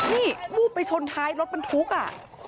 นี่วูบไปชนท้ายรถบรรทุกอ่ะ